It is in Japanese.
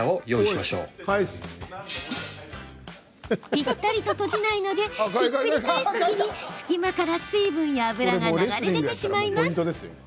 ぴったりと閉じないのでひっくり返すときに隙間から水分や油が流れ出てしまいます。